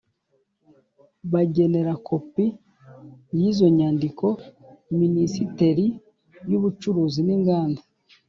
bagenera kopi y izo nyandiko minisiteri y ubucuruzi n inganda